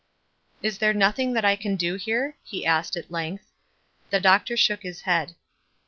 "Is there nothing that I can do here?" he asked, at length. The doctor shook his head.